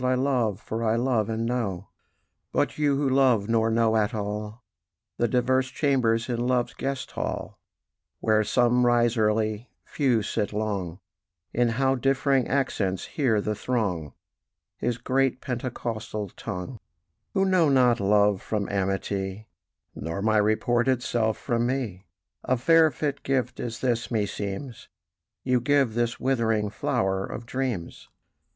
I love, for I love and know; "But you, who love nor know at all The diverse chambers in Love's guest hall, Where some rise early, few sit long: In how differing accents hear the throng His great Pentecostal tongue; "Who know not love from amity, Nor my reported self from me; A fair fit gift is this, meseems, You give this withering flower of dreams.